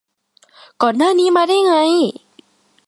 ก่อนหน้านี้มาได้ไง